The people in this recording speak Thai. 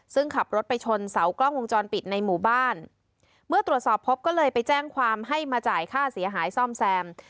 ซึ่งขับรถไปชนเสากล้องวงจรปิดในหมู่บ้านเมื่อตรวจสอบพบก็เลยไปแจ้งความให้มาจ่ายค่าเสียหายซ่อมแซม